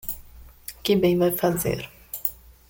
Que bem vai fazer?